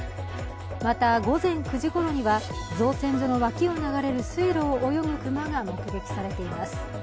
また、午前９時ごろには造船所の脇を流れる水路を泳ぐ熊が目撃されています。